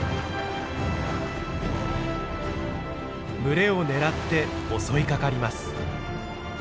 群れを狙って襲いかかります。